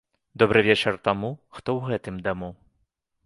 Добры вечар таму, хто ў гэтым даму!